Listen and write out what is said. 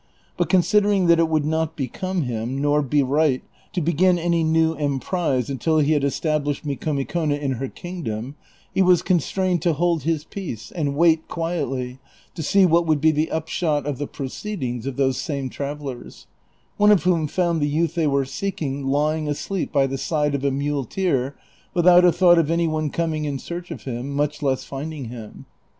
But considering that it would not become him, nor be right, to begin any new em prise until he had established Micomicona in her kingdom, he was constrained to hold his peace and wait quietly to see what would be the upshot of the proceedings of those same travel lers ; one of whom found the youth they were seeking lying asleep by the side of a muleteer, without a thought of any one coming in search of him, much less finding him.